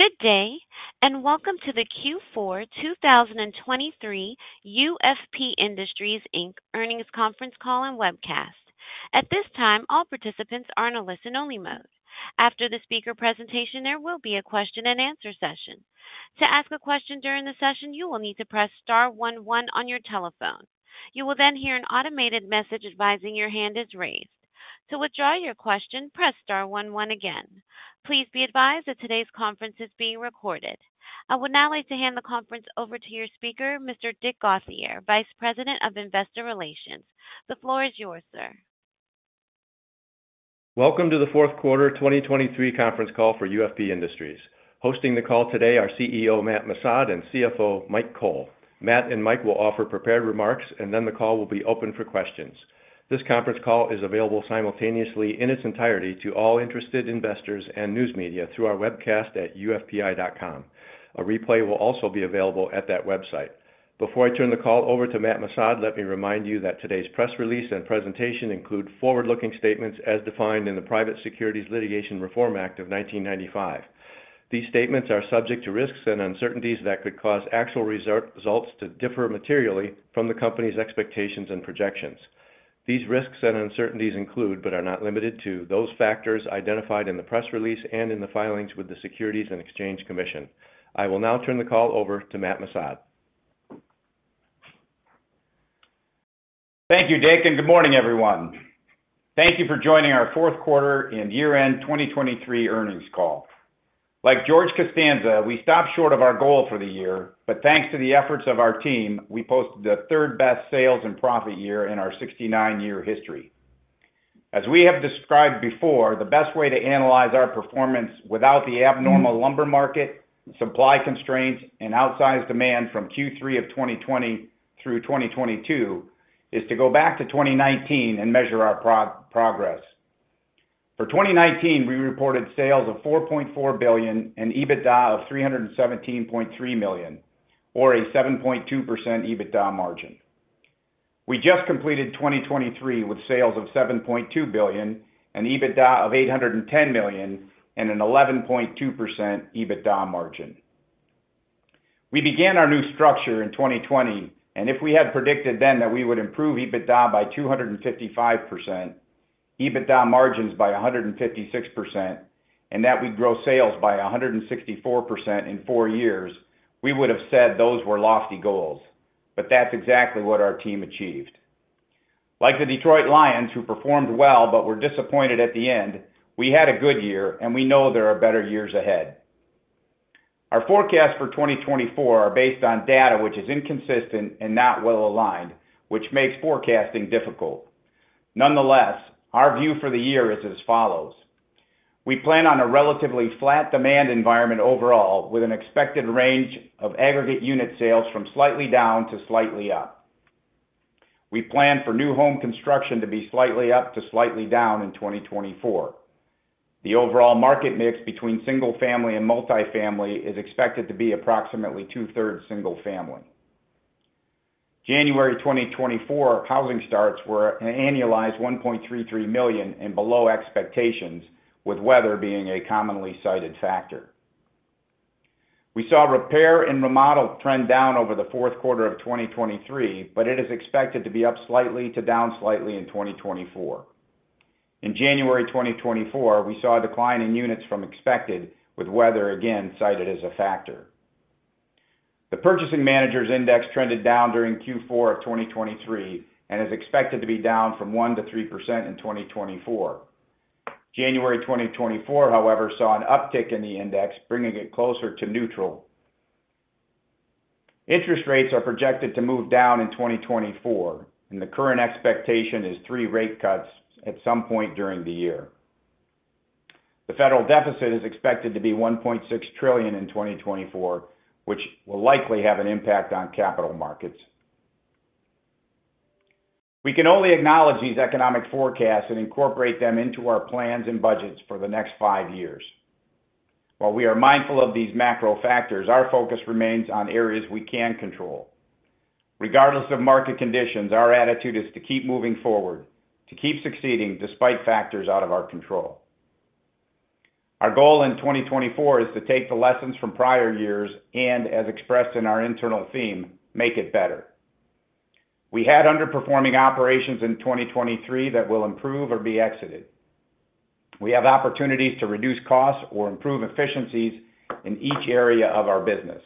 Good day and welcome to the Q4 2023 UFP Industries Inc earnings conference call and webcast. At this time, all participants are in a listen-only mode. After the speaker presentation, there will be a question-and-answer session. To ask a question during the session, you will need to press star one one on your telephone. You will then hear an automated message advising your hand is raised. To withdraw your question, press star one one again. Please be advised that today's conference is being recorded. I would now like to hand the conference over to your speaker, Mr. Dick Gauthier, Vice President of Investor Relations. The floor is yours, sir. Welcome to the fourth quarter 2023 conference call for UFP Industries. Hosting the call today are CEO Matt Missad and CFO Mike Cole. Matt and Mike will offer prepared remarks, and then the call will be open for questions. This conference call is available simultaneously in its entirety to all interested investors and news media through our webcast at ufpi.com. A replay will also be available at that website. Before I turn the call over to Matt Missad, let me remind you that today's press release and presentation include forward-looking statements as defined in the Private Securities Litigation Reform Act of 1995. These statements are subject to risks and uncertainties that could cause actual results to differ materially from the company's expectations and projections. These risks and uncertainties include, but are not limited to, those factors identified in the press release and in the filings with the Securities and Exchange Commission. I will now turn the call over to Matt Missad. Thank you, Dick, and good morning, everyone. Thank you for joining our fourth quarter and year-end 2023 earnings call. Like George Costanza, we stopped short of our goal for the year, but thanks to the efforts of our team, we posted the third best sales and profit year in our 69-year history. As we have described before, the best way to analyze our performance without the abnormal lumber market, supply constraints, and outsized demand from Q3 of 2020 through 2022 is to go back to 2019 and measure our progress. For 2019, we reported sales of $4.4 billion and EBITDA of $317.3 million, or a 7.2% EBITDA margin. We just completed 2023 with sales of $7.2 billion and EBITDA of $810 million and an 11.2% EBITDA margin. We began our new structure in 2020, and if we had predicted then that we would improve EBITDA by 255%, EBITDA margins by 156%, and that we'd grow sales by 164% in four years, we would have said those were lofty goals. But that's exactly what our team achieved. Like the Detroit Lions, who performed well but were disappointed at the end, we had a good year, and we know there are better years ahead. Our forecasts for 2024 are based on data which is inconsistent and not well aligned, which makes forecasting difficult. Nonetheless, our view for the year is as follows. We plan on a relatively flat demand environment overall with an expected range of aggregate unit sales from slightly down to slightly up. We plan for new home construction to be slightly up to slightly down in 2024. The overall market mix between single-family and multifamily is expected to be approximately two-thirds single-family. January 2024 housing starts were annualized 1.33 million and below expectations, with weather being a commonly cited factor. We saw repair and remodel trend down over the fourth quarter of 2023, but it is expected to be up slightly to down slightly in 2024. In January 2024, we saw a decline in units from expected, with weather, again, cited as a factor. The Purchasing Managers' Index trended down during Q4 of 2023 and is expected to be down 1%-3% in 2024. January 2024, however, saw an uptick in the index, bringing it closer to neutral. Interest rates are projected to move down in 2024, and the current expectation is three rate cuts at some point during the year. The federal deficit is expected to be $1.6 trillion in 2024, which will likely have an impact on capital markets. We can only acknowledge these economic forecasts and incorporate them into our plans and budgets for the next five years. While we are mindful of these macro factors, our focus remains on areas we can control. Regardless of market conditions, our attitude is to keep moving forward, to keep succeeding despite factors out of our control. Our goal in 2024 is to take the lessons from prior years and, as expressed in our internal theme, make it better. We had underperforming operations in 2023 that will improve or be exited. We have opportunities to reduce costs or improve efficiencies in each area of our business.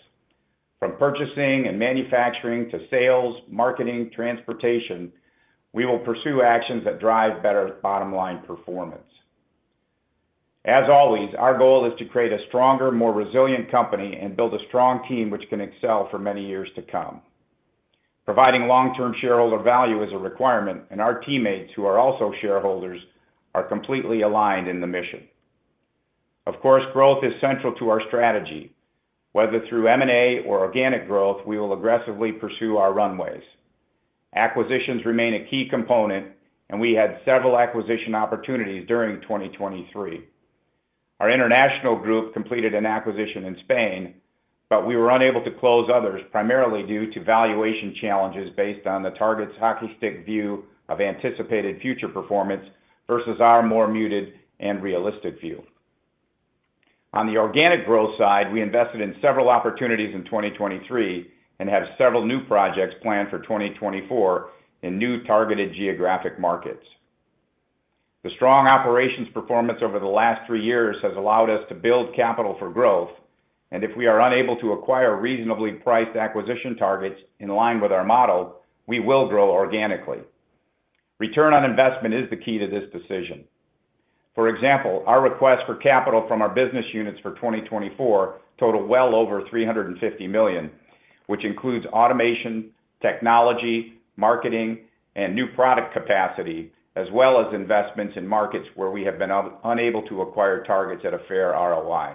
From purchasing and manufacturing to sales, marketing, transportation, we will pursue actions that drive better bottom-line performance. As always, our goal is to create a stronger, more resilient company and build a strong team which can excel for many years to come. Providing long-term shareholder value is a requirement, and our teammates, who are also shareholders, are completely aligned in the mission. Of course, growth is central to our strategy. Whether through M&A or organic growth, we will aggressively pursue our runways. Acquisitions remain a key component, and we had several acquisition opportunities during 2023. Our international group completed an acquisition in Spain, but we were unable to close others primarily due to valuation challenges based on the target's hockey stick view of anticipated future performance versus our more muted and realistic view. On the organic growth side, we invested in several opportunities in 2023 and have several new projects planned for 2024 in new targeted geographic markets. The strong operations performance over the last three years has allowed us to build capital for growth, and if we are unable to acquire reasonably priced acquisition targets in line with our model, we will grow organically. Return on investment is the key to this decision. For example, our request for capital from our business units for 2024 totaled well over $350 million, which includes automation, technology, marketing, and new product capacity, as well as investments in markets where we have been unable to acquire targets at a fair ROI.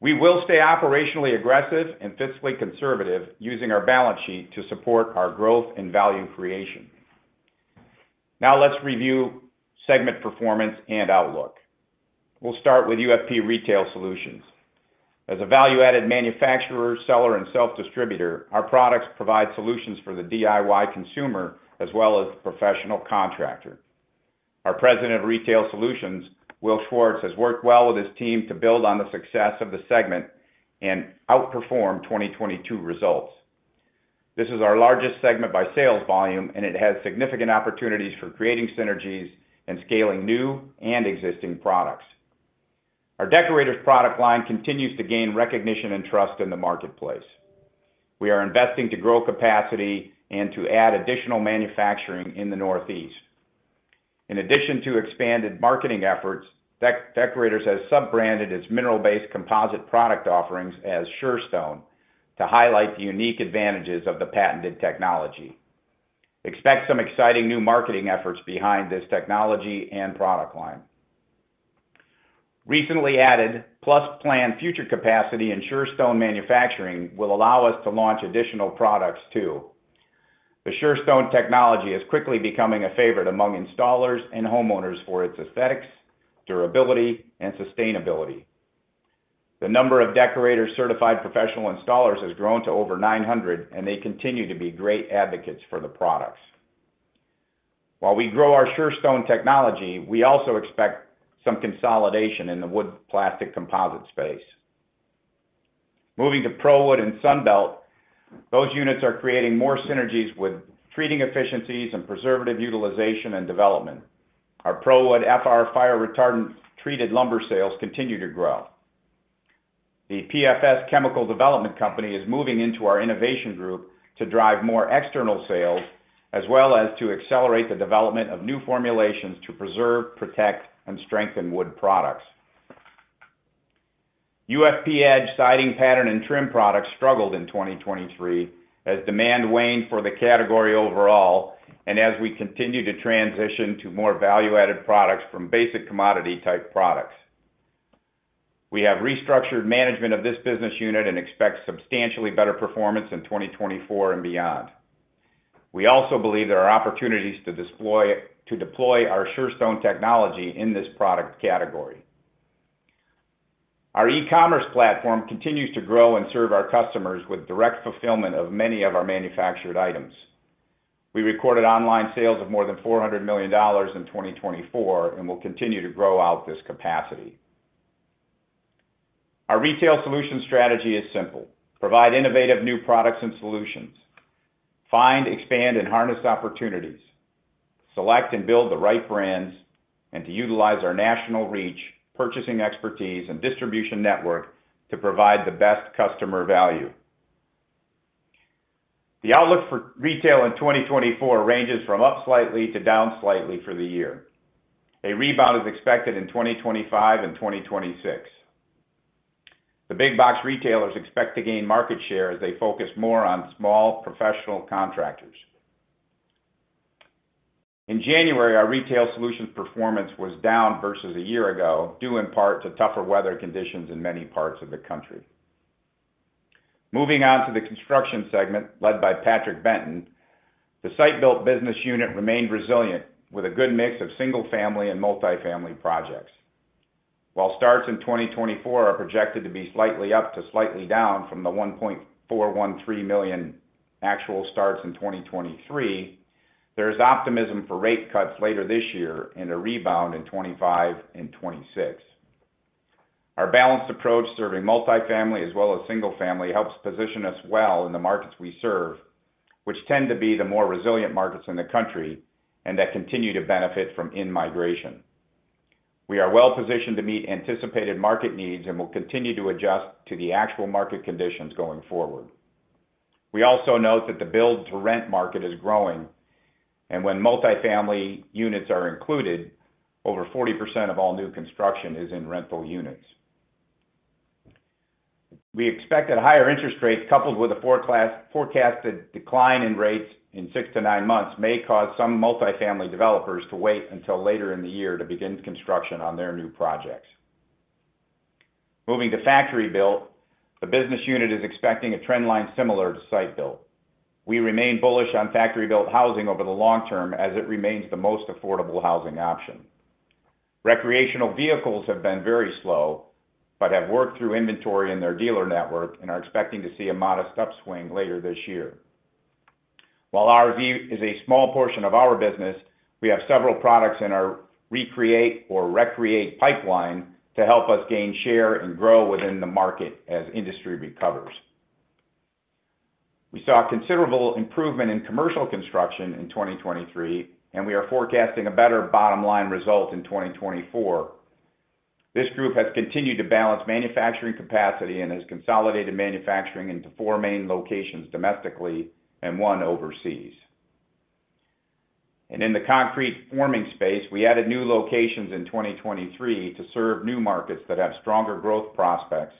We will stay operationally aggressive and fiscally conservative using our balance sheet to support our growth and value creation. Now let's review segment performance and outlook. We'll start with UFP Retail Solutions. As a value-added manufacturer, seller, and self-distributor, our products provide solutions for the DIY consumer as well as the professional contractor. Our President of Retail Solutions, Will Schwartz, has worked well with his team to build on the success of the segment and outperform 2022 results. This is our largest segment by sales volume, and it has significant opportunities for creating synergies and scaling new and existing products. Our Deckorators product line continues to gain recognition and trust in the marketplace. We are investing to grow capacity and to add additional manufacturing in the Northeast. In addition to expanded marketing efforts, Deckorators has sub-branded its mineral-based composite product offerings as Surestone to highlight the unique advantages of the patented technology. Expect some exciting new marketing efforts behind this technology and product line. Recently added plus planned future capacity in Surestone manufacturing will allow us to launch additional products too. The Surestone technology is quickly becoming a favorite among installers and homeowners for its aesthetics, durability, and sustainability. The number of Deckorators certified professional installers has grown to over 900, and they continue to be great advocates for the products. While we grow our Surestone technology, we also expect some consolidation in the wood-plastic composite space. Moving to ProWood and Sunbelt, those units are creating more synergies with treating efficiencies and preservative utilization and development. Our ProWood FR fire-retardant-treated lumber sales continue to grow. The PFS Chemical Development Company is moving into our Innovation Group to drive more external sales as well as to accelerate the development of new formulations to preserve, protect, and strengthen wood products. UFP-Edge siding pattern and trim products struggled in 2023 as demand waned for the category overall and as we continue to transition to more value-added products from basic commodity-type products. We have restructured management of this business unit and expect substantially better performance in 2024 and beyond. We also believe there are opportunities to deploy our Surestone technology in this product category. Our e-commerce platform continues to grow and serve our customers with direct fulfillment of many of our manufactured items. We recorded online sales of more than $400 million in 2024 and will continue to grow out this capacity. Our Retail Solution strategy is simple: provide innovative new products and solutions, find, expand, and harness opportunities, select and build the right brands, and to utilize our national reach, purchasing expertise, and distribution network to provide the best customer value. The outlook for Retail in 2024 ranges from up slightly to down slightly for the year. A rebound is expected in 2025 and 2026. The big-box retailers expect to gain market share as they focus more on small professional contractors. In January, our Retail Solutions performance was down versus a year ago due in part to tougher weather conditions in many parts of the country. Moving on to the Construction segment led by Patrick Benton, the Site Built business unit remained resilient with a good mix of single-family and multifamily projects. While starts in 2024 are projected to be slightly up to slightly down from the 1.413 million actual starts in 2023, there is optimism for rate cuts later this year and a rebound in 2025 and 2026. Our balanced approach serving multifamily as well as single-family helps position us well in the markets we serve, which tend to be the more resilient markets in the country and that continue to benefit from in-migration. We are well positioned to meet anticipated market needs and will continue to adjust to the actual market conditions going forward. We also note that the build-to-rent market is growing, and when multifamily units are included, over 40% of all new construction is in rental units. We expect that higher interest rates coupled with a forecasted decline in rates in six to nine months may cause some multifamily developers to wait until later in the year to begin construction on their new projects. Moving to Factory-Built, the business unit is expecting a trendline similar to Site Built. We remain bullish on Factory-Built Housing over the long term as it remains the most affordable housing option. Recreational Vehicles have been very slow but have worked through inventory in their dealer network and are expecting to see a modest upswing later this year. While RV is a small portion of our business, we have several products in our recreational pipeline to help us gain share and grow within the market as the industry recovers. We saw considerable improvement in Commercial Construction in 2023, and we are forecasting a better bottom-line result in 2024. This group has continued to balance manufacturing capacity and has consolidated manufacturing into four main locations domestically and one overseas. In the Concrete Forming space, we added new locations in 2023 to serve new markets that have stronger growth prospects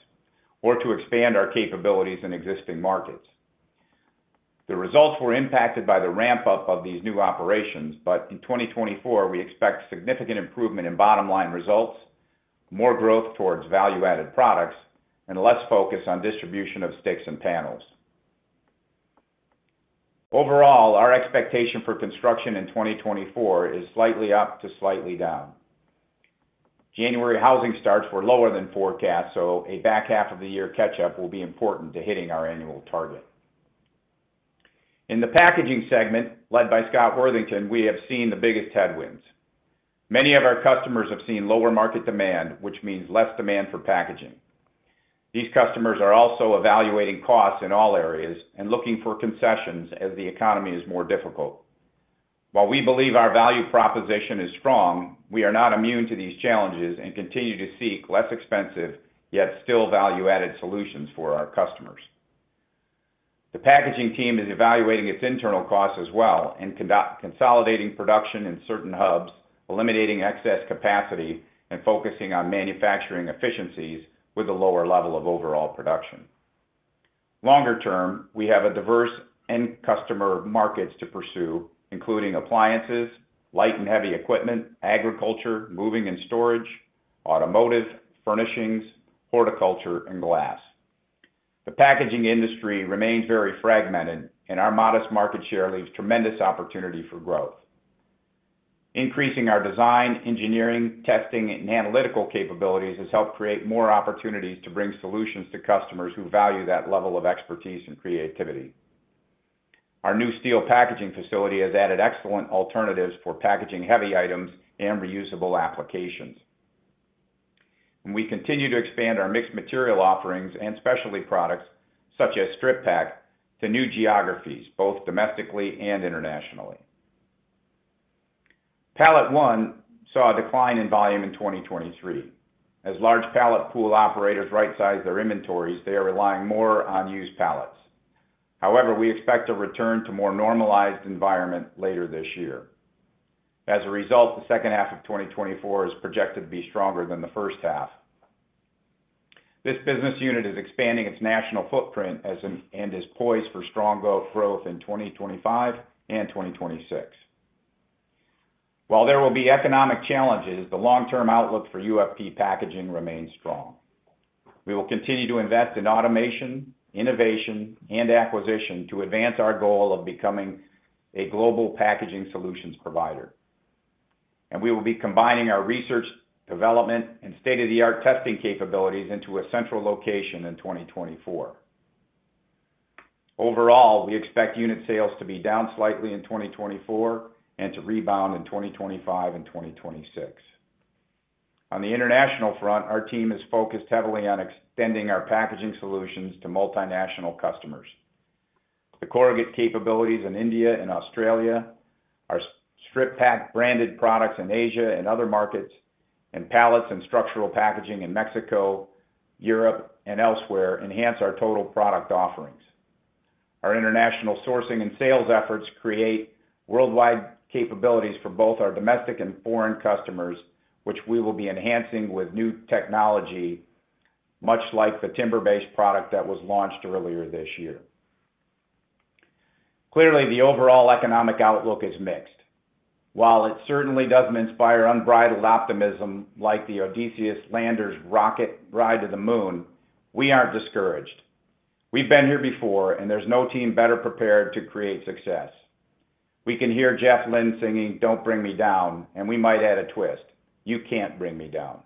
or to expand our capabilities in existing markets. The results were impacted by the ramp-up of these new operations, but in 2024, we expect significant improvement in bottom-line results, more growth towards value-added products, and less focus on distribution of sticks and panels. Overall, our expectation for construction in 2024 is slightly up to slightly down. January housing starts were lower than forecast, so a back half of the year catch-up will be important to hitting our annual target. In the Packaging segment led by Scott Worthington, we have seen the biggest headwinds. Many of our customers have seen lower market demand, which means less demand for packaging. These customers are also evaluating costs in all areas and looking for concessions as the economy is more difficult. While we believe our value proposition is strong, we are not immune to these challenges and continue to seek less expensive yet still value-added solutions for our customers. The Packaging team is evaluating its internal costs as well and consolidating production in certain hubs, eliminating excess capacity, and focusing on manufacturing efficiencies with a lower level of overall production. Longer term, we have a diverse end customer market to pursue, including appliances, light and heavy equipment, agriculture, moving and storage, automotive, furnishings, horticulture, and glass. The packaging industry remains very fragmented, and our modest market share leaves tremendous opportunity for growth. Increasing our design, engineering, testing, and analytical capabilities has helped create more opportunities to bring solutions to customers who value that level of expertise and creativity. Our new steel packaging facility has added excellent alternatives for packaging heavy items and reusable applications. We continue to expand our mixed material offerings and specialty products such as Strip Pak to new geographies, both domestically and internationally. PalletOne saw a decline in volume in 2023. As large pallet pool operators right-size their inventories, they are relying more on used pallets. However, we expect a return to more normalized environment later this year. As a result, the second half of 2024 is projected to be stronger than the first half. This business unit is expanding its national footprint and is poised for strong growth in 2025 and 2026. While there will be economic challenges, the long-term outlook for UFP Packaging remains strong. We will continue to invest in automation, innovation, and acquisition to advance our goal of becoming a global packaging solutions provider. And we will be combining our research, development, and state-of-the-art testing capabilities into a central location in 2024. Overall, we expect unit sales to be down slightly in 2024 and to rebound in 2025 and 2026. On the international front, our team is focused heavily on extending our packaging solutions to multinational customers. The corrugate capabilities in India and Australia, our Strip Pak branded products in Asia and other markets, and pallets and structural packaging in Mexico, Europe, and elsewhere enhance our total product offerings. Our international sourcing and sales efforts create worldwide capabilities for both our domestic and foreign customers, which we will be enhancing with new technology, much like the TimberBase product that was launched earlier this year. Clearly, the overall economic outlook is mixed. While it certainly doesn't inspire unbridled optimism like the Odysseus lander's rocket ride to the moon, we aren't discouraged. We've been here before, and there's no team better prepared to create success. We can hear Jeff Lynne singing, "Don't bring me down," and we might add a twist, "You can't bring me down."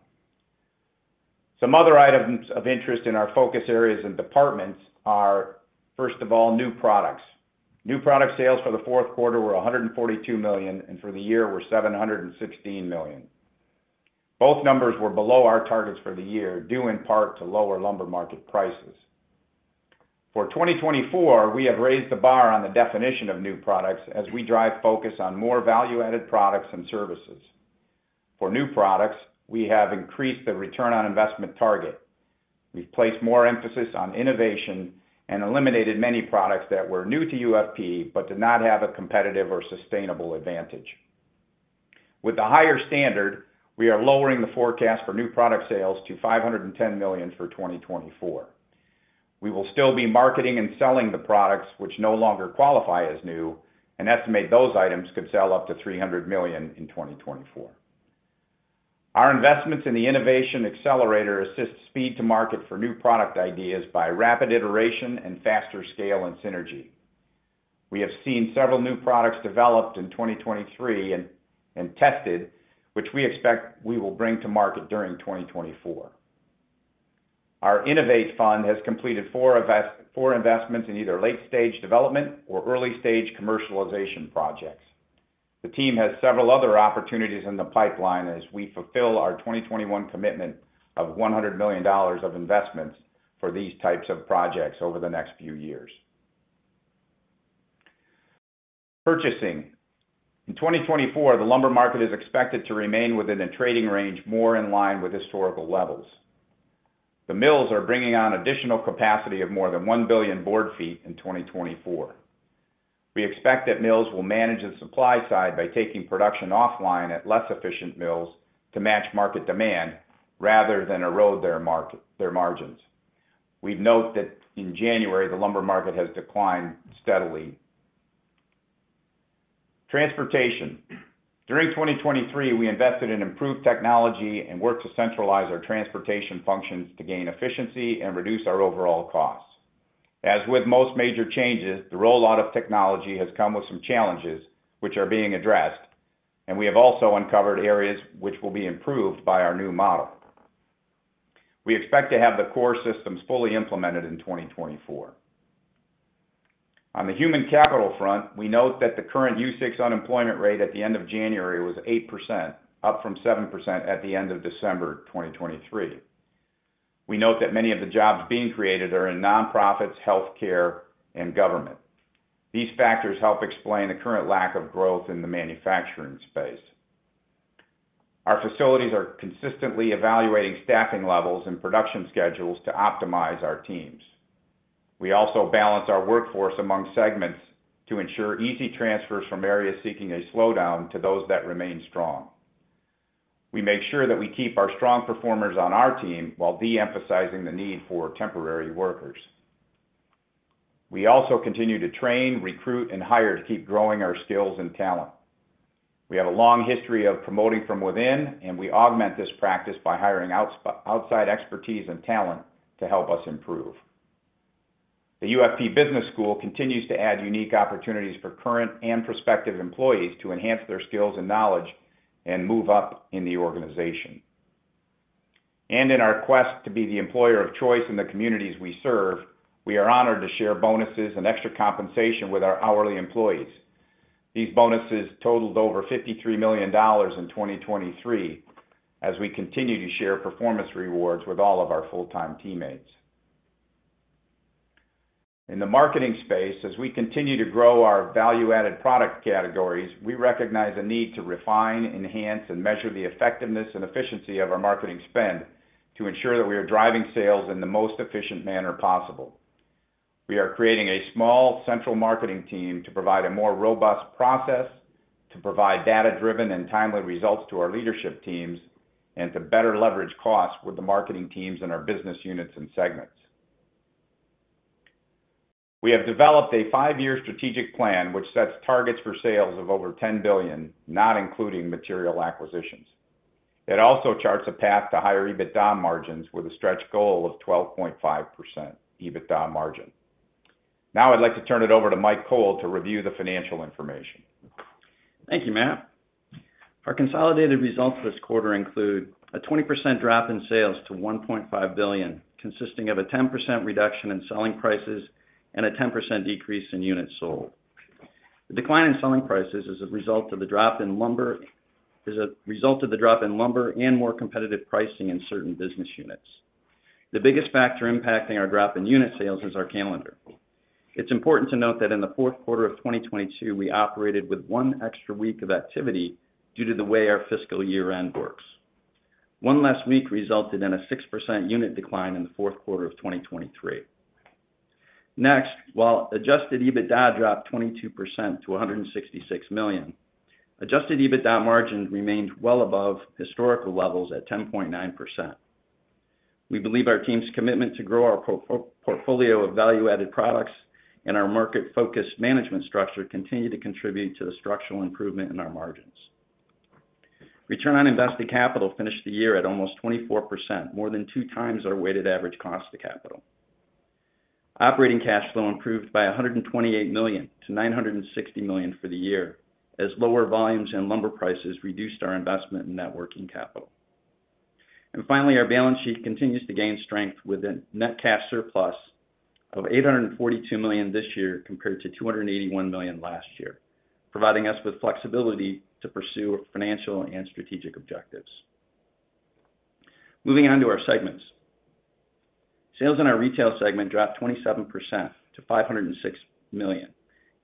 Some other items of interest in our focus areas and departments are, first of all, new products. New product sales for the fourth quarter were $142 million, and for the year, were $716 million. Both numbers were below our targets for the year due in part to lower lumber market prices. For 2024, we have raised the bar on the definition of new products as we drive focus on more value-added products and services. For new products, we have increased the return on investment target. We've placed more emphasis on innovation and eliminated many products that were new to UFP but did not have a competitive or sustainable advantage. With the higher standard, we are lowering the forecast for new product sales to $510 million for 2024. We will still be marketing and selling the products which no longer qualify as new and estimate those items could sell up to $300 million in 2024. Our investments in the Innovation Accelerator assist speed to market for new product ideas by rapid iteration and faster scale and synergy. We have seen several new products developed in 2023 and tested, which we expect we will bring to market during 2024. Our Innovation Fund has completed 4 investments in either late-stage development or early-stage commercialization projects. The team has several other opportunities in the pipeline as we fulfill our 2021 commitment of $100 million of investments for these types of projects over the next few years. Purchasing. In 2024, the lumber market is expected to remain within a trading range more in line with historical levels. The mills are bringing on additional capacity of more than 1 billion board feet in 2024. We expect that mills will manage the supply side by taking production offline at less efficient mills to match market demand rather than erode their margins. We note that in January, the lumber market has declined steadily. Transportation. During 2023, we invested in improved technology and worked to centralize our transportation functions to gain efficiency and reduce our overall costs. As with most major changes, the rollout of technology has come with some challenges which are being addressed, and we have also uncovered areas which will be improved by our new model. We expect to have the core systems fully implemented in 2024. On the human capital front, we note that the current U-6 unemployment rate at the end of January was 8%, up from 7% at the end of December 2023. We note that many of the jobs being created are in nonprofits, healthcare, and government. These factors help explain the current lack of growth in the manufacturing space. Our facilities are consistently evaluating staffing levels and production schedules to optimize our teams. We also balance our workforce among segments to ensure easy transfers from areas seeking a slowdown to those that remain strong. We make sure that we keep our strong performers on our team while de-emphasizing the need for temporary workers. We also continue to train, recruit, and hire to keep growing our skills and talent. We have a long history of promoting from within, and we augment this practice by hiring outside expertise and talent to help us improve. The UFP Business School continues to add unique opportunities for current and prospective employees to enhance their skills and knowledge and move up in the organization. In our quest to be the employer of choice in the communities we serve, we are honored to share bonuses and extra compensation with our hourly employees. These bonuses totaled over $53 million in 2023 as we continue to share performance rewards with all of our full-time teammates. In the marketing space, as we continue to grow our value-added product categories, we recognize a need to refine, enhance, and measure the effectiveness and efficiency of our marketing spend to ensure that we are driving sales in the most efficient manner possible. We are creating a small central marketing team to provide a more robust process, to provide data-driven and timely results to our leadership teams, and to better leverage costs with the marketing teams and our business units and segments. We have developed a five-year strategic plan which sets targets for sales of over $10 billion, not including material acquisitions. It also charts a path to higher EBITDA margins with a stretched goal of 12.5% EBITDA margin. Now, I'd like to turn it over to Mike Cole to review the financial information. Thank you, Matt. Our consolidated results this quarter include a 20% drop in sales to $1.5 billion, consisting of a 10% reduction in selling prices and a 10% decrease in units sold. The decline in selling prices is a result of the drop in lumber and more competitive pricing in certain business units. The biggest factor impacting our drop in unit sales is our calendar. It's important to note that in the fourth quarter of 2022, we operated with one extra week of activity due to the way our fiscal year-end works. One less week resulted in a 6% unit decline in the fourth quarter of 2023. Next, while adjusted EBITDA dropped 22% to $166 million, adjusted EBITDA margin remained well above historical levels at 10.9%. We believe our team's commitment to grow our portfolio of value-added products and our market-focused management structure continue to contribute to the structural improvement in our margins. Return on Invested Capital finished the year at almost 24%, more than 2x our Weighted Average Cost of Capital. Operating cash flow improved by $128 million to $960 million for the year as lower volumes and lumber prices reduced our investment in net working capital. And finally, our balance sheet continues to gain strength with a net cash surplus of $842 million this year compared to $281 million last year, providing us with flexibility to pursue financial and strategic objectives. Moving on to our segments. Sales in our Retail segment dropped 27% to $506 million,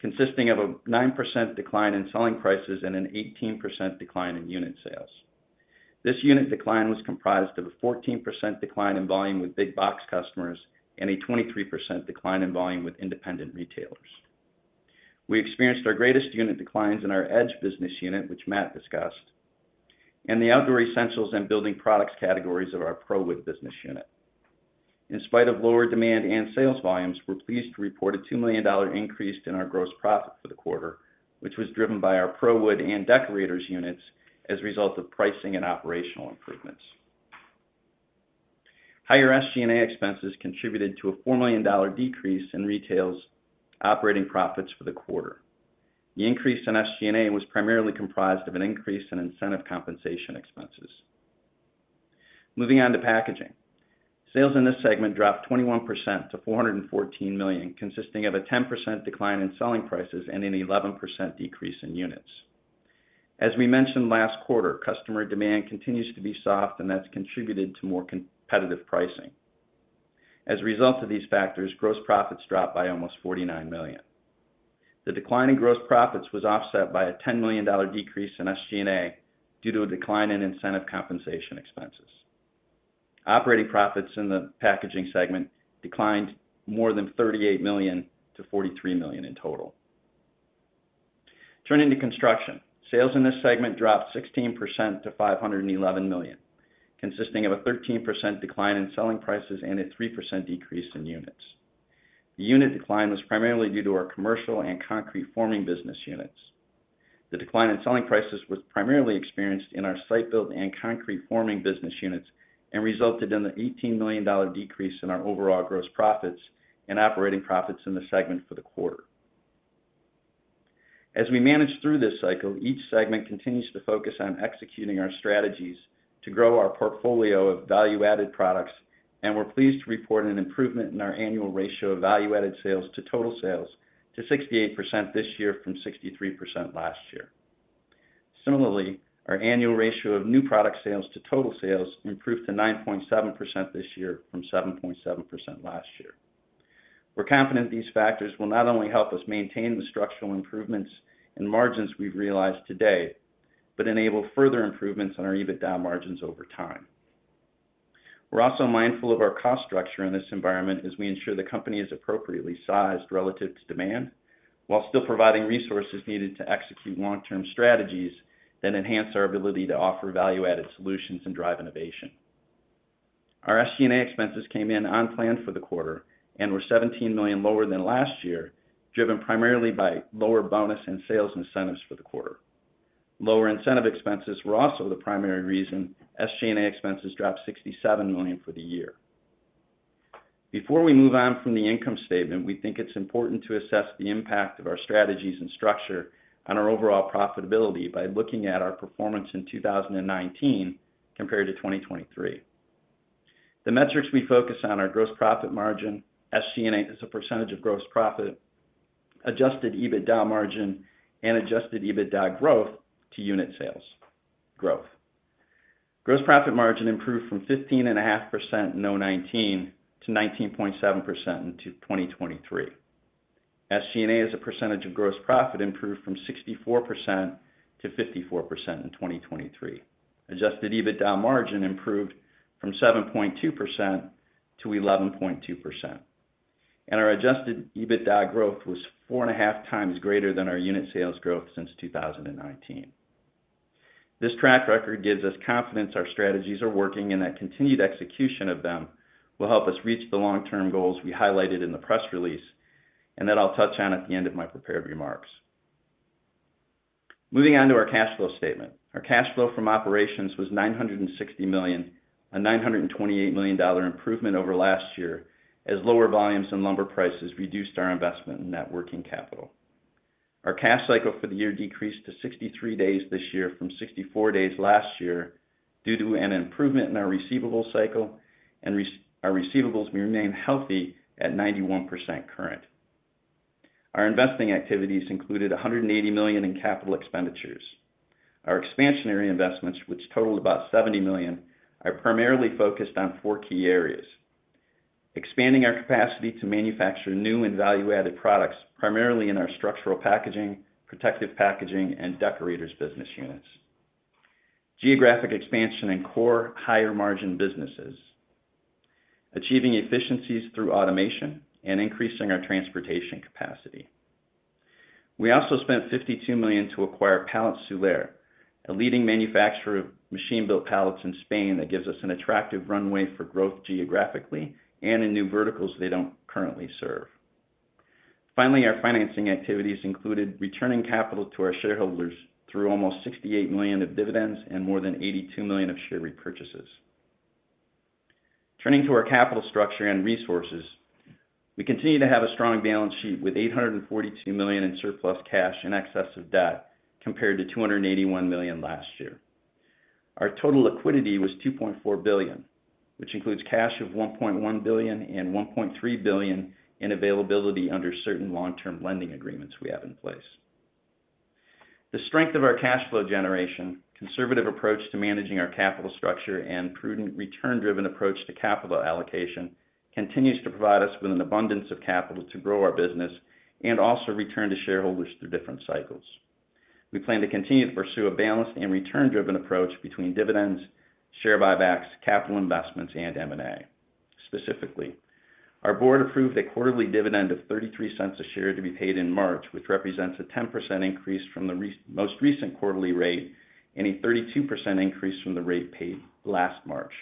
consisting of a 9% decline in selling prices and an 18% decline in unit sales. This unit decline was comprised of a 14% decline in volume with big-box customers and a 23% decline in volume with independent retailers. We experienced our greatest unit declines in our Edge business unit, which Matt discussed, and the outdoor essentials and building products categories of our ProWood business unit. In spite of lower demand and sales volumes, we're pleased to report a $2 million increase in our gross profit for the quarter, which was driven by our ProWood and Deckorators units as a result of pricing and operational improvements. Higher SG&A expenses contributed to a $4 million decrease in Retail's operating profits for the quarter. The increase in SG&A was primarily comprised of an increase in incentive compensation expenses. Moving on to Packaging. Sales in this segment dropped 21% to $414 million, consisting of a 10% decline in selling prices and an 11% decrease in units. As we mentioned last quarter, customer demand continues to be soft, and that's contributed to more competitive pricing. As a result of these factors, gross profits dropped by almost $49 million. The decline in gross profits was offset by a $10 million decrease in SG&A due to a decline in incentive compensation expenses. Operating profits in the Packaging segment declined more than $38 million to $43 million in total. Turning to Construction. Sales in this segment dropped 16% to $511 million, consisting of a 13% decline in selling prices and a 3% decrease in units. The unit decline was primarily due to our Commercial and Concrete Forming business units. The decline in selling prices was primarily experienced in our Site Built and Concrete Forming business units and resulted in the $18 million decrease in our overall gross profits and operating profits in the segment for the quarter. As we manage through this cycle, each segment continues to focus on executing our strategies to grow our portfolio of value-added products, and we're pleased to report an improvement in our annual ratio of value-added sales to total sales to 68% this year from 63% last year. Similarly, our annual ratio of new product sales to total sales improved to 9.7% this year from 7.7% last year. We're confident these factors will not only help us maintain the structural improvements and margins we've realized today but enable further improvements on our EBITDA margins over time. We're also mindful of our cost structure in this environment as we ensure the company is appropriately sized relative to demand while still providing resources needed to execute long-term strategies that enhance our ability to offer value-added solutions and drive innovation. Our SG&A expenses came in on plan for the quarter and were $17 million lower than last year, driven primarily by lower bonus and sales incentives for the quarter. Lower incentive expenses were also the primary reason SG&A expenses dropped $67 million for the year. Before we move on from the income statement, we think it's important to assess the impact of our strategies and structure on our overall profitability by looking at our performance in 2019 compared to 2023. The metrics we focus on are gross profit margin, SG&A as a percentage of gross profit, adjusted EBITDA margin, and adjusted EBITDA growth to unit sales. Gross profit margin improved from 15.5% in 2019 to 19.7% in 2023. SG&A as a percentage of gross profit improved from 64% to 54% in 2023. Adjusted EBITDA margin improved from 7.2% to 11.2%. Our adjusted EBITDA growth was 4.5x greater than our unit sales growth since 2019. This track record gives us confidence our strategies are working and that continued execution of them will help us reach the long-term goals we highlighted in the press release and that I'll touch on at the end of my prepared remarks. Moving on to our cash flow statement. Our cash flow from operations was $960 million, a $928 million improvement over last year as lower volumes and lumber prices reduced our investment in net working capital. Our cash cycle for the year decreased to 63 days this year from 64 days last year due to an improvement in our receivables cycle, and our receivables remain healthy at 91% current. Our investing activities included $180 million in capital expenditures. Our expansionary investments, which totaled about $70 million, are primarily focused on four key areas: expanding our capacity to manufacture new and value-added products primarily in our structural packaging, protective packaging, and Deckorators business units, geographic expansion in core higher-margin businesses, achieving efficiencies through automation, and increasing our transportation capacity. We also spent $52 million to acquire Palets Suller, a leading manufacturer of machine-built pallets in Spain that gives us an attractive runway for growth geographically and in new verticals they don't currently serve. Finally, our financing activities included returning capital to our shareholders through almost $68 million of dividends and more than $82 million of share repurchases. Turning to our capital structure and resources, we continue to have a strong balance sheet with $842 million in surplus cash and excess debt compared to $281 million last year. Our total liquidity was $2.4 billion, which includes cash of $1.1 billion and $1.3 billion in availability under certain long-term lending agreements we have in place. The strength of our cash flow generation, conservative approach to managing our capital structure, and prudent return-driven approach to capital allocation continues to provide us with an abundance of capital to grow our business and also return to shareholders through different cycles. We plan to continue to pursue a balanced and return-driven approach between dividends, share buybacks, capital investments, and M&A. Specifically, our board approved a quarterly dividend of $0.33 a share to be paid in March, which represents a 10% increase from the most recent quarterly rate and a 32% increase from the rate paid last March.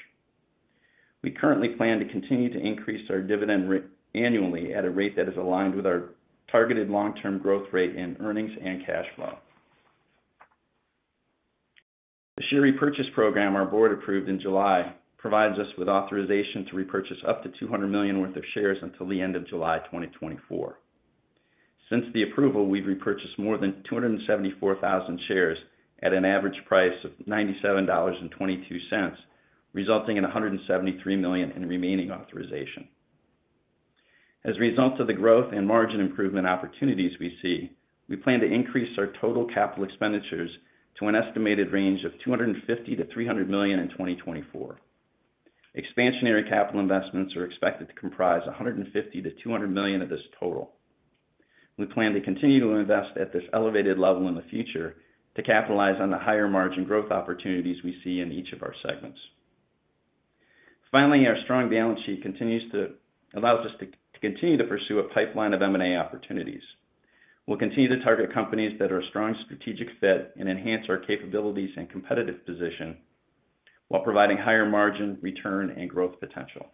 We currently plan to continue to increase our dividend annually at a rate that is aligned with our targeted long-term growth rate in earnings and cash flow. The share repurchase program our board approved in July provides us with authorization to repurchase up to $200 million worth of shares until the end of July 2024. Since the approval, we've repurchased more than 274,000 shares at an average price of $97.22, resulting in $173 million in remaining authorization. As a result of the growth and margin improvement opportunities we see, we plan to increase our total capital expenditures to an estimated range of $250 million-$300 million in 2024. Expansionary capital investments are expected to comprise $150 million-$200 million of this total. We plan to continue to invest at this elevated level in the future to capitalize on the higher-margin growth opportunities we see in each of our segments. Finally, our strong balance sheet continues to allow us to continue to pursue a pipeline of M&A opportunities. We'll continue to target companies that are a strong strategic fit and enhance our capabilities and competitive position while providing higher margin, return, and growth potential.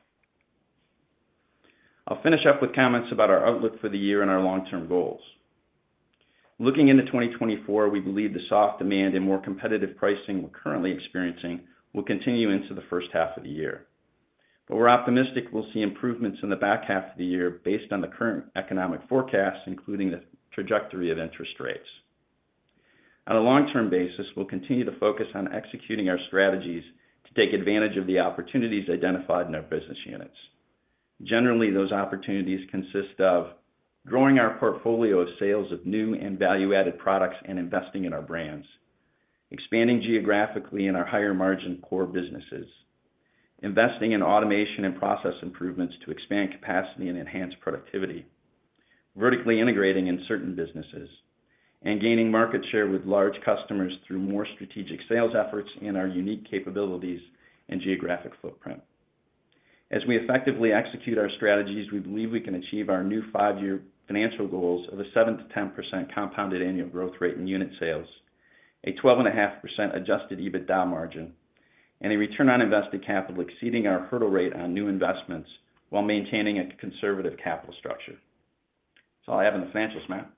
I'll finish up with comments about our outlook for the year and our long-term goals. Looking into 2024, we believe the soft demand and more competitive pricing we're currently experiencing will continue into the first half of the year. But we're optimistic we'll see improvements in the back half of the year based on the current economic forecast, including the trajectory of interest rates. On a long-term basis, we'll continue to focus on executing our strategies to take advantage of the opportunities identified in our business units. Generally, those opportunities consist of growing our portfolio of sales of new and value-added products and investing in our brands, expanding geographically in our higher-margin core businesses, investing in automation and process improvements to expand capacity and enhance productivity, vertically integrating in certain businesses, and gaining market share with large customers through more strategic sales efforts in our unique capabilities and geographic footprint. As we effectively execute our strategies, we believe we can achieve our new five-year financial goals of a 7%-10% compound annual growth rate in unit sales, a 12.5% Adjusted EBITDA margin, and a Return on Invested Capital exceeding our hurdle rate on new investments while maintaining a conservative capital structure. That's all I have on the financials, Matt.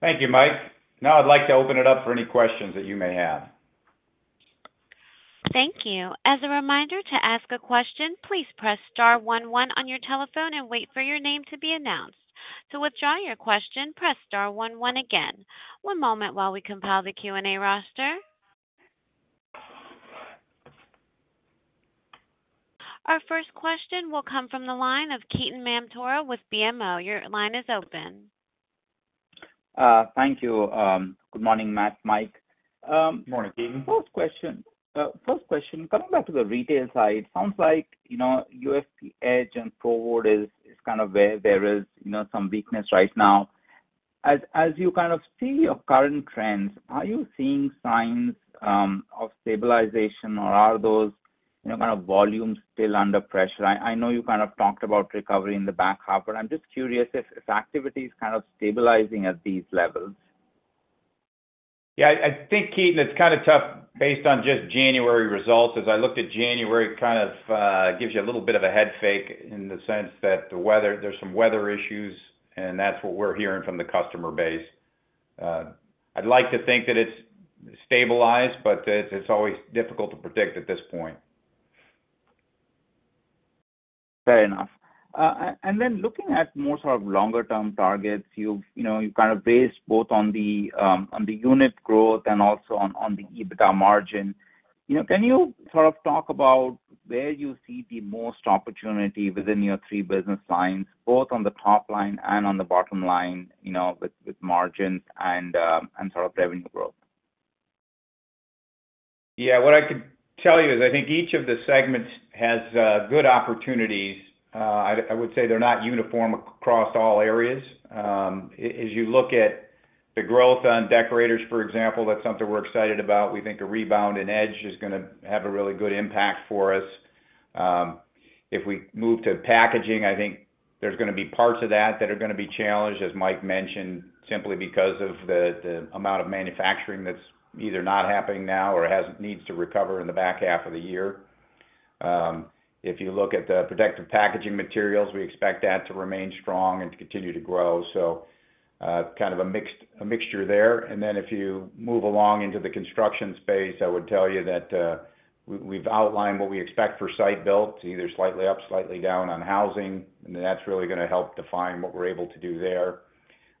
Thank you, Mike. Now I'd like to open it up for any questions that you may have. Thank you. As a reminder, to ask a question, please press star one one on your telephone and wait for your name to be announced. To withdraw your question, press star one one again. One moment while we compile the Q&A roster. Our first question will come from the line of Ketan Mamtora with BMO. Your line is open. Thank you. Good morning, Matt, Mike. Good morning, Ketan. First question. First question, coming back to the Retail side, it sounds like UFP-Edge and ProWood is kind of where there is some weakness right now. As you kind of see your current trends, are you seeing signs of stabilization, or are those kind of volumes still under pressure? I know you kind of talked about recovery in the back half, but I'm just curious if activity is kind of stabilizing at these levels. Yeah, I think, Ketan, it's kind of tough based on just January results. As I looked at January, it kind of gives you a little bit of a headfake in the sense that there's some weather issues, and that's what we're hearing from the customer base. I'd like to think that it's stabilized, but it's always difficult to predict at this point. Fair enough. And then looking at more sort of longer-term targets, you've kind of based both on the unit growth and also on the EBITDA margin. Can you sort of talk about where you see the most opportunity within your three business lines, both on the top line and on the bottom line with margins and sort of revenue growth? Yeah, what I could tell you is I think each of the segments has good opportunities. I would say they're not uniform across all areas. As you look at the growth on Deckorators, for example, that's something we're excited about. We think a rebound in Edge is going to have a really good impact for us. If we move to packaging, I think there's going to be parts of that that are going to be challenged, as Mike mentioned, simply because of the amount of manufacturing that's either not happening now or needs to recover in the back half of the year. If you look at the protective packaging materials, we expect that to remain strong and to continue to grow. So kind of a mixture there. And then if you move along into the construction space, I would tell you that we've outlined what we expect for Site Built, either slightly up, slightly down on housing, and that's really going to help define what we're able to do there.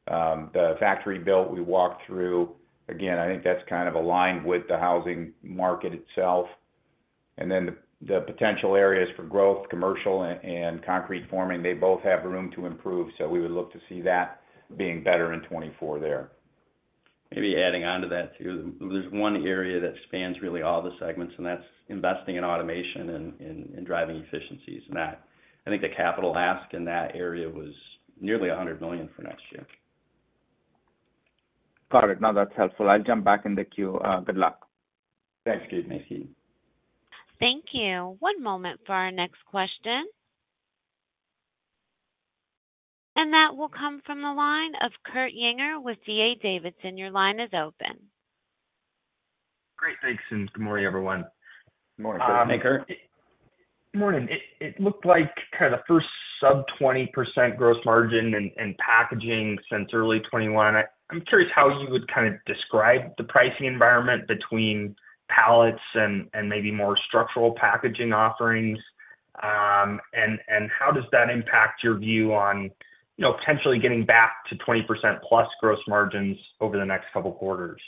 The Factory-Built we walked through, again, I think that's kind of aligned with the housing market itself. And then the potential areas for growth, Commercial, and Concrete Forming, they both have room to improve. So we would look to see that being better in 2024 there. Maybe adding on to that too, there's one area that spans really all the segments, and that's investing in automation and driving efficiencies. And I think the capital ask in that area was nearly $100 million for next year. Got it. No, that's helpful. I'll jump back in the queue. Good luck. Thanks, Ketan. Thanks, Ketan. Thank you. One moment for our next question. That will come from the line of Kurt Yinger with D.A. Davidson. Your line is open. Great. Thanks, and good morning, everyone. Good morning, Kurt Yinger. Good morning. It looked like kind of the first sub-20% gross margin in packaging since early 2021. I'm curious how you would kind of describe the pricing environment between pallets and maybe more structural packaging offerings. And how does that impact your view on potentially getting back to 20%+ gross margins over the next couple of quarters?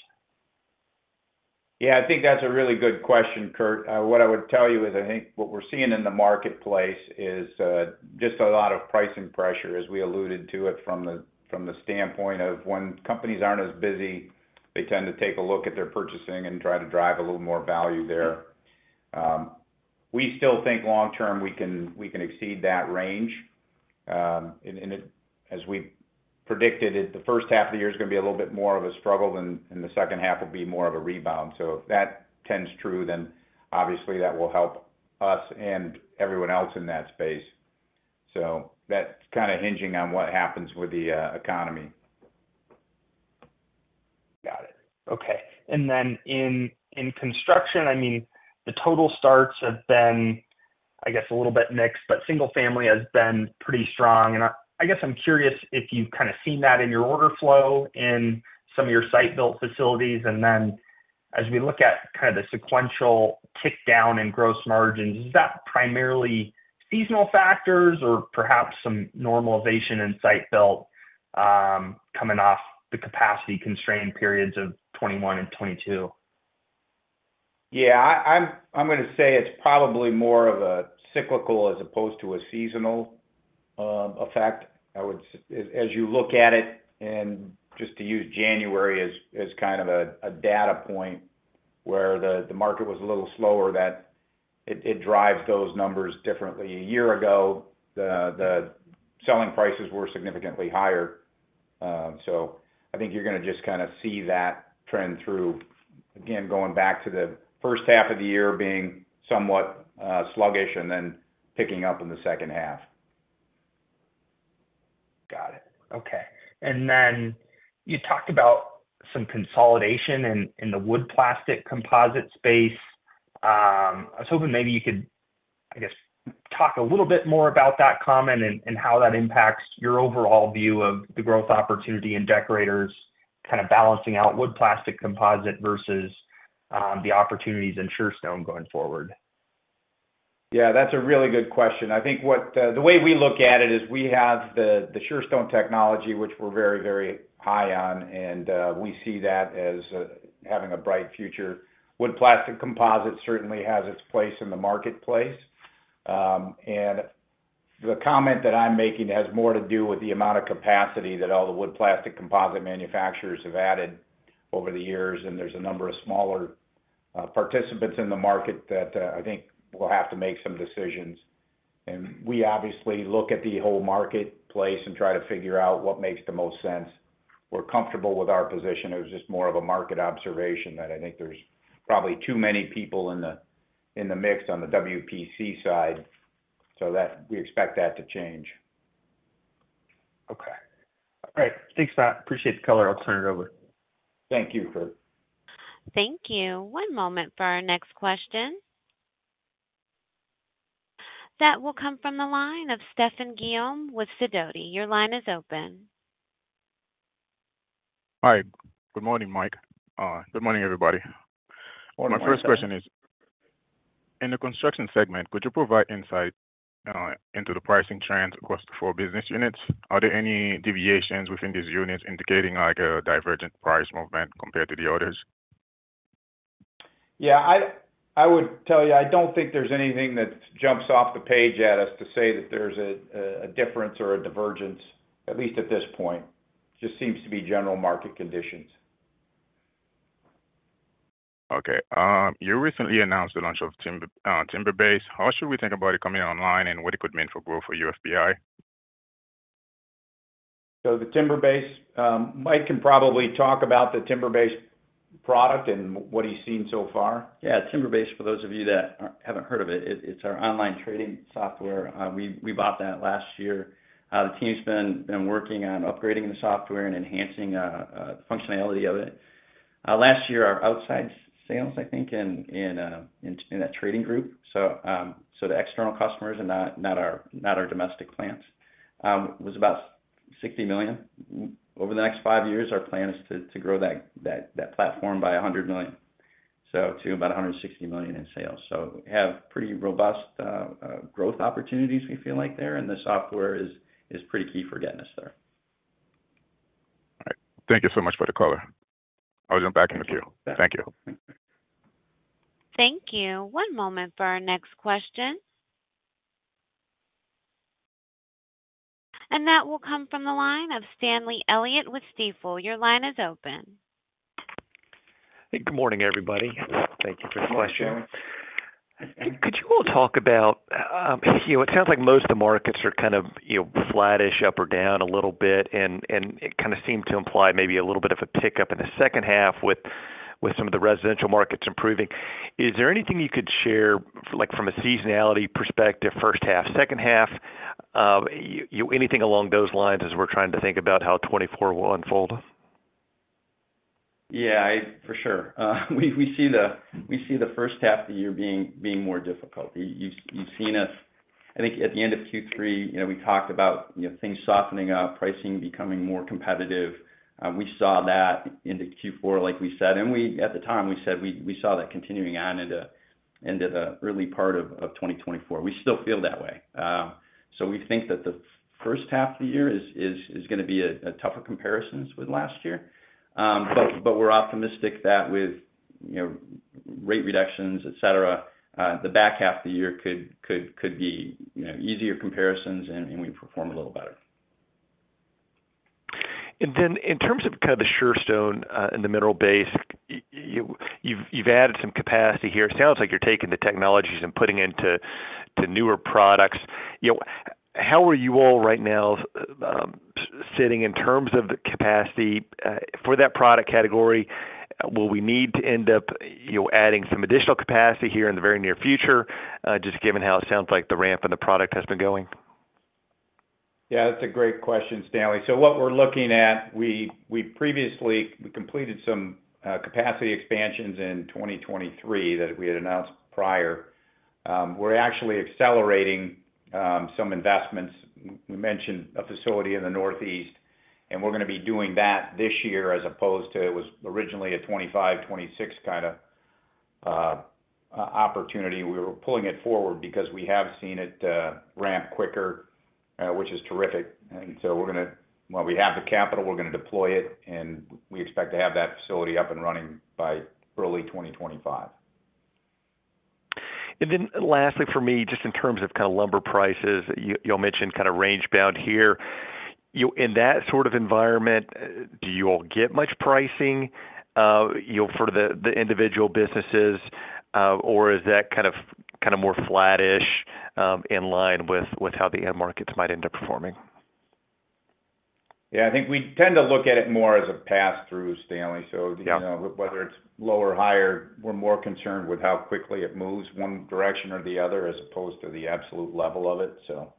Yeah, I think that's a really good question, Kurt. What I would tell you is I think what we're seeing in the marketplace is just a lot of pricing pressure, as we alluded to it, from the standpoint of when companies aren't as busy, they tend to take a look at their purchasing and try to drive a little more value there. We still think long-term we can exceed that range. And as we predicted, the first half of the year is going to be a little bit more of a struggle than the second half will be more of a rebound. So if that tends true, then obviously that will help us and everyone else in that space. So that's kind of hinging on what happens with the economy. Got it. Okay. And then in construction, I mean, the total starts have been, I guess, a little bit mixed, but single-family has been pretty strong. And I guess I'm curious if you've kind of seen that in your order flow in some of your Site Built facilities. And then as we look at kind of the sequential tickdown in gross margins, is that primarily seasonal factors or perhaps some normalization in Site Built coming off the capacity-constrained periods of 2021 and 2022? Yeah, I'm going to say it's probably more of a cyclical as opposed to a seasonal effect. As you look at it, and just to use January as kind of a data point where the market was a little slower, it drives those numbers differently. A year ago, the selling prices were significantly higher. So I think you're going to just kind of see that trend through, again, going back to the first half of the year being somewhat sluggish and then picking up in the second half. Got it. Okay. And then you talked about some consolidation in the wood-plastic composite space. I was hoping maybe you could, I guess, talk a little bit more about that comment and how that impacts your overall view of the growth opportunity in Deckorators, kind of balancing out wood-plastic composite versus the opportunities in Surestone going forward. Yeah, that's a really good question. I think the way we look at it is we have the Surestone technology, which we're very, very high on, and we see that as having a bright future. Wood-plastic composite certainly has its place in the marketplace. And the comment that I'm making has more to do with the amount of capacity that all the wood-plastic composite manufacturers have added over the years. And there's a number of smaller participants in the market that I think will have to make some decisions. And we obviously look at the whole marketplace and try to figure out what makes the most sense. We're comfortable with our position. It was just more of a market observation that I think there's probably too many people in the mix on the WPC side. So we expect that to change. Okay. All right. Thanks, Matt. Appreciate the color. I'll turn it over. Thank you, Kurt. Thank you. One moment for our next question. That will come from the line of Stephane Guillaume with Sidoti. Your line is open. Hi. Good morning, Mike. Good morning, everybody. My first question is, in the Construction segment, could you provide insight into the pricing trends across the four business units? Are there any deviations within these units indicating a divergent price movement compared to the others? Yeah, I would tell you, I don't think there's anything that jumps off the page at us to say that there's a difference or a divergence, at least at this point. It just seems to be general market conditions. Okay. You recently announced the launch of TimberBase. How should we think about it coming online and what it could mean for growth for UFPI? The TimberBase, Mike can probably talk about the TimberBase product and what he's seen so far. Yeah, TimberBase, for those of you that haven't heard of it, it's our online trading software. We bought that last year. The team's been working on upgrading the software and enhancing the functionality of it. Last year, our outside sales, I think, in that trading group, so the external customers and not our domestic plants, was about $60 million. Over the next five years, our plan is to grow that platform by $100 million to about $160 million in sales. So we have pretty robust growth opportunities, we feel like, there. And the software is pretty key for getting us there. All right. Thank you so much for the color. I'll jump back in the queue. Thank you. Thank you. One moment for our next question. That will come from the line of Stanley Elliott with Stifel. Your line is open. Hey, good morning, everybody. Thank you for the question. Could you all talk about it sounds like most of the markets are kind of flat-ish, up or down a little bit, and it kind of seemed to imply maybe a little bit of a pickup in the second half with some of the residential markets improving. Is there anything you could share from a seasonality perspective, first half, second half, anything along those lines as we're trying to think about how 2024 will unfold? Yeah, for sure. We see the first half of the year being more difficult. You've seen us, I think, at the end of Q3, we talked about things softening up, pricing becoming more competitive. We saw that into Q4, like we said. At the time, we said we saw that continuing on into the early part of 2024. We still feel that way. We think that the first half of the year is going to be tougher comparisons with last year. But we're optimistic that with rate reductions, etc., the back half of the year could be easier comparisons, and we perform a little better. And then in terms of kind of the Surestone in the mineral base, you've added some capacity here. It sounds like you're taking the technologies and putting into newer products. How are you all right now sitting in terms of the capacity for that product category? Will we need to end up adding some additional capacity here in the very near future, just given how it sounds like the ramp in the product has been going? Yeah, that's a great question, Stanley. So what we're looking at, we completed some capacity expansions in 2023 that we had announced prior. We're actually accelerating some investments. We mentioned a facility in the Northeast, and we're going to be doing that this year as opposed to it was originally a 2025, 2026 kind of opportunity. We were pulling it forward because we have seen it ramp quicker, which is terrific. And so we're going to well, we have the capital. We're going to deploy it, and we expect to have that facility up and running by early 2025. Then lastly, for me, just in terms of kind of lumber prices, you'll mention kind of range-bound here. In that sort of environment, do you all get much pricing for the individual businesses, or is that kind of more flat-ish in line with how the end markets might end up performing? Yeah, I think we tend to look at it more as a pass-through, Stanley. So whether it's lower, higher, we're more concerned with how quickly it moves one direction or the other as opposed to the absolute level of it. So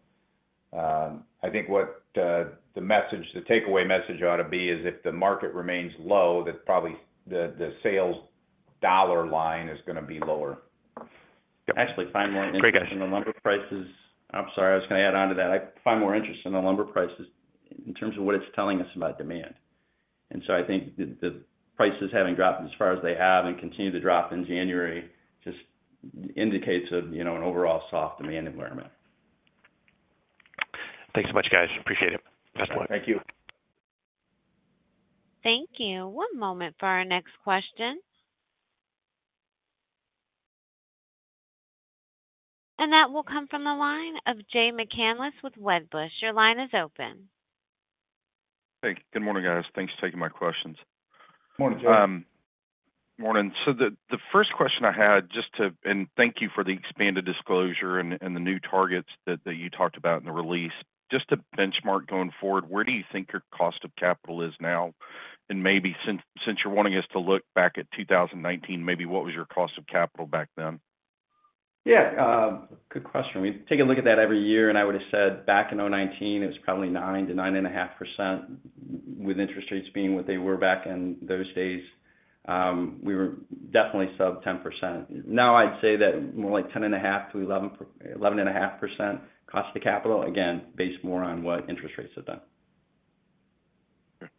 I think the takeaway message ought to be is if the market remains low, that probably the sales dollar line is going to be lower. Actually, I find more interest in the lumber prices. I'm sorry. I was going to add on to that. I find more interest in the lumber prices in terms of what it's telling us about demand. And so I think the prices having dropped as far as they have and continue to drop in January just indicates an overall soft demand environment. Thanks so much, guys. Appreciate it. Best of luck. Thank you. Thank you. One moment for our next question. That will come from the line of Jay McCanless with Wedbush. Your line is open. Hey. Good morning, guys. Thanks for taking my questions. Morning, Jay. Morning. So the first question I had just to and thank you for the expanded disclosure and the new targets that you talked about in the release. Just to benchmark going forward, where do you think your cost of capital is now? And maybe since you're wanting us to look back at 2019, maybe what was your cost of capital back then? Yeah, good question. We take a look at that every year. I would have said back in 2019, it was probably 9%-9.5%, with interest rates being what they were back in those days. We were definitely sub-10%. Now, I'd say that more like 10.5%-11.5% cost of capital, again, based more on what interest rates have done. Okay.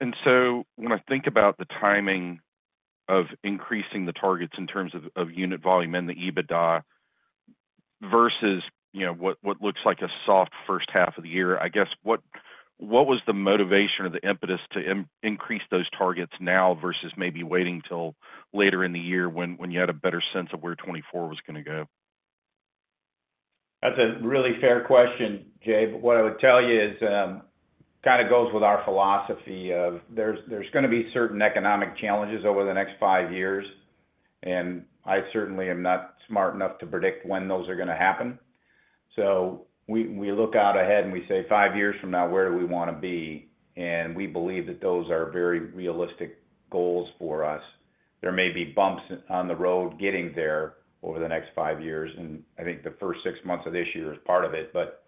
And so when I think about the timing of increasing the targets in terms of unit volume and the EBITDA versus what looks like a soft first half of the year, I guess, what was the motivation or the impetus to increase those targets now versus maybe waiting till later in the year when you had a better sense of where 2024 was going to go? That's a really fair question, Jay. But what I would tell you is kind of goes with our philosophy of there's going to be certain economic challenges over the next five years. And I certainly am not smart enough to predict when those are going to happen. So we look out ahead and we say, "Five years from now, where do we want to be?" And we believe that those are very realistic goals for us. There may be bumps on the road getting there over the next five years. And I think the first six months of this year is part of it. But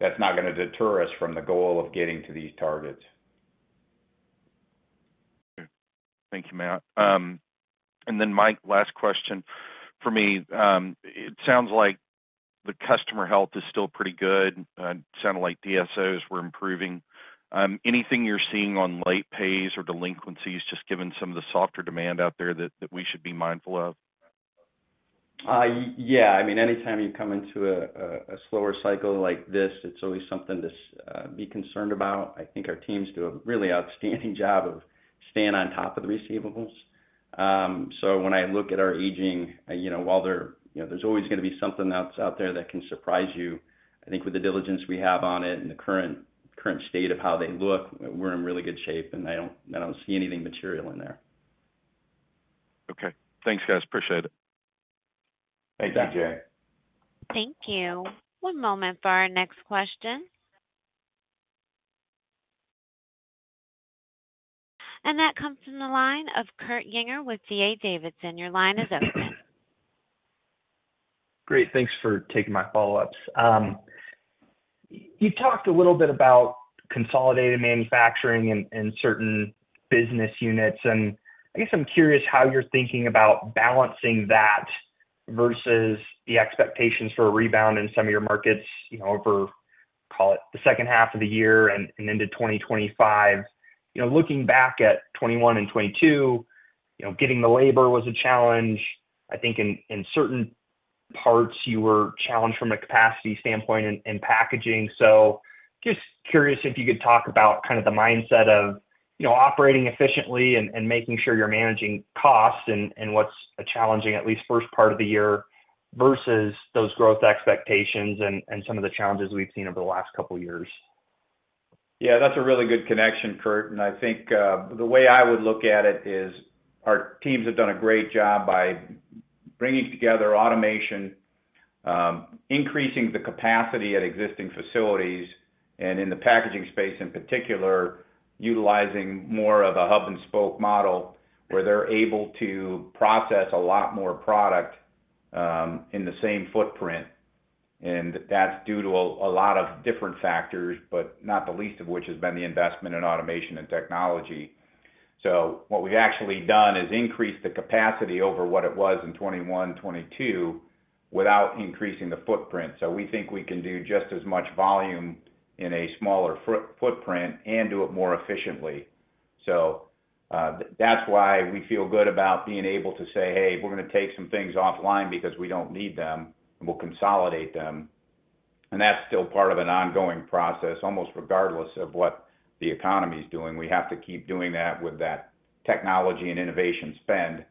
that's not going to deter us from the goal of getting to these targets. Okay. Thank you, Matt. And then, Mike, last question for me. It sounds like the customer health is still pretty good. It sounded like DSOs were improving. Anything you're seeing on late pays or delinquencies, just given some of the softer demand out there that we should be mindful of? Yeah. I mean, anytime you come into a slower cycle like this, it's always something to be concerned about. I think our teams do a really outstanding job of staying on top of the receivables. So when I look at our aging, while there's always going to be something that's out there that can surprise you, I think with the diligence we have on it and the current state of how they look, we're in really good shape. And I don't see anything material in there. Okay. Thanks, guys. Appreciate it. Thank you, Jay. Thank you. One moment for our next question. That comes from the line of Kurt Yinger with D.A. Davidson. Your line is open. Great. Thanks for taking my follow-ups. You talked a little bit about consolidated manufacturing in certain business units. I guess I'm curious how you're thinking about balancing that versus the expectations for a rebound in some of your markets over, call it, the second half of the year and into 2025. Looking back at 2021 and 2022, getting the labor was a challenge. I think in certain parts, you were challenged from a capacity standpoint and packaging. Just curious if you could talk about kind of the mindset of operating efficiently and making sure you're managing costs and what's a challenging, at least, first part of the year versus those growth expectations and some of the challenges we've seen over the last couple of years. Yeah, that's a really good connection, Kurt. I think the way I would look at it is our teams have done a great job by bringing together automation, increasing the capacity at existing facilities, and in the packaging space in particular, utilizing more of a hub-and-spoke model where they're able to process a lot more product in the same footprint. That's due to a lot of different factors, but not the least of which has been the investment in automation and technology. What we've actually done is increase the capacity over what it was in 2021, 2022 without increasing the footprint. We think we can do just as much volume in a smaller footprint and do it more efficiently. So that's why we feel good about being able to say, "Hey, we're going to take some things offline because we don't need them, and we'll consolidate them." That's still part of an ongoing process. Almost regardless of what the economy is doing, we have to keep doing that with that technology and innovation spend.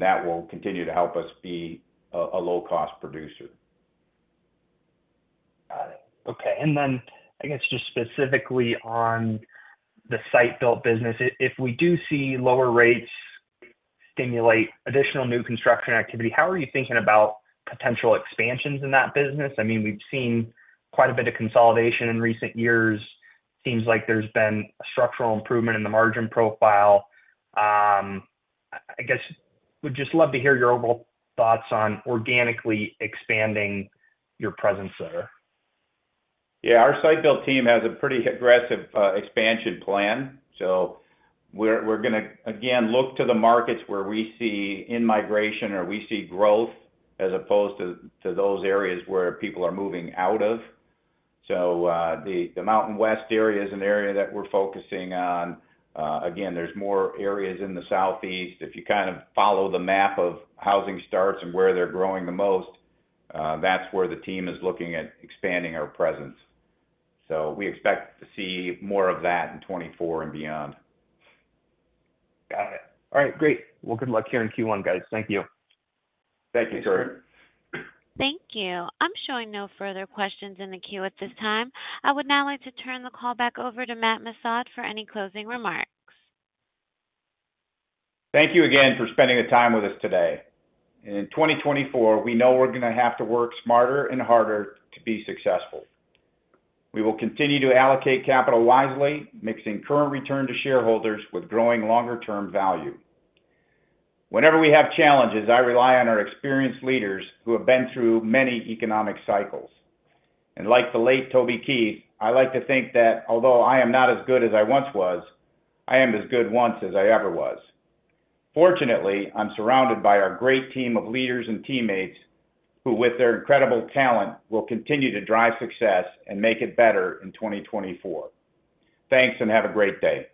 That will continue to help us be a low-cost producer. Got it. Okay. And then I guess just specifically on the Site Built business, if we do see lower rates stimulate additional new construction activity. How are you thinking about potential expansions in that business? I mean, we've seen quite a bit of consolidation in recent years. Seems like there's been a structural improvement in the margin profile. I guess would just love to hear your overall thoughts on organically expanding your presence there. Yeah, our Site Built team has a pretty aggressive expansion plan. So we're going to, again, look to the markets where we see in-migration or we see growth as opposed to those areas where people are moving out of. So the Mountain West area is an area that we're focusing on. Again, there's more areas in the Southeast. If you kind of follow the map of housing starts and where they're growing the most, that's where the team is looking at expanding our presence. So we expect to see more of that in 2024 and beyond. Got it. All right. Great. Well, good luck here in Q1, guys. Thank you. Thank you, sir. Thank you. I'm showing no further questions in the queue at this time. I would now like to turn the call back over to Matt Missad for any closing remarks. Thank you again for spending the time with us today. In 2024, we know we're going to have to work smarter and harder to be successful. We will continue to allocate capital wisely, mixing current return to shareholders with growing longer-term value. Whenever we have challenges, I rely on our experienced leaders who have been through many economic cycles. Like the late Toby Keith, I like to think that although I am not as good as I once was, I am as good once as I ever was. Fortunately, I'm surrounded by our great team of leaders and teammates who, with their incredible talent, will continue to drive success and make it better in 2024. Thanks, and have a great day.